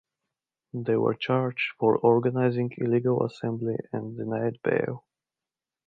They were charged for organizing illegal assembly and denied bail.